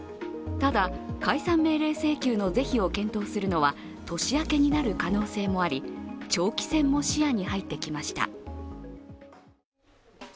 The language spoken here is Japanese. ただ、解散命令請求の是非を検討するのは年明けになる可能性もあり長期戦も視野に入ってきました。